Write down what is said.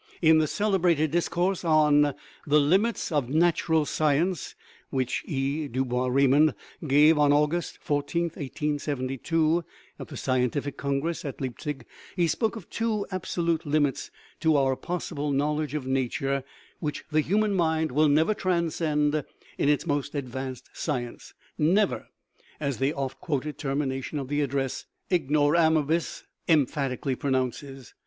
In the celebrated discourse on " The Limits of Nat ural Science," which E. du Bois Reymond gave on August 14, 1872, at the Scientific Congress at Leipzig, he spoke of two "absolute limits" to our possible knowledge of nature which the human mind will never transcend in its most advanced science never, as the oft quoted termination of the address, " Ignorabimus," emphatically pronounces.